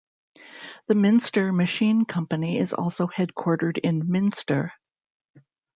The Minster Machine Company is also headquartered in Minster.